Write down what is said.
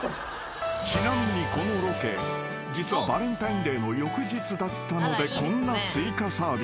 ［ちなみにこのロケ実はバレンタインデーの翌日だったのでこんな追加サービスを］